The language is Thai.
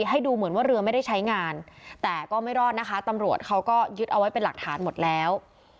ให้ดูเหมือนว่าเรือไม่ได้ใช้งานแต่ก็ไม่รอดนะคะตำรวจเขาก็ยึดเอาไว้เป็นหลักฐานหมดแล้ว